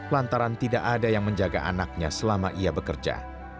lantaran tidak ada yang menjaga anaknya selama ia bekerja